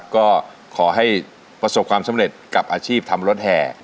ก็ขอให้ประสบความสำเร็จกับอาชีพทำรถแห่